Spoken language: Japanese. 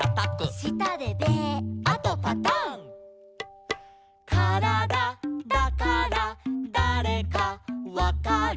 「したでベー」「あとパタン」「からだだからだれかわかる」